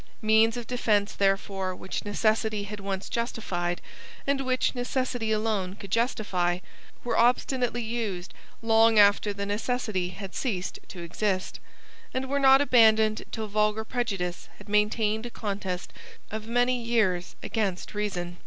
Means of defence therefore which necessity had once justified, and which necessity alone could justify, were obstinately used long after the necessity had ceased to exist, and were not abandoned till vulgar prejudice had maintained a contest of many years against reason.